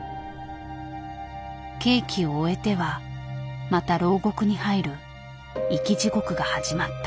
刑期を終えてはまた牢獄に入る生き地獄が始まった。